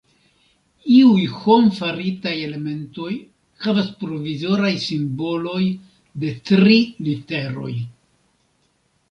Iuj hom-faritaj elementoj havas provizoraj simboloj de tri literoj.